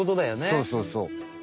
そうそうそう。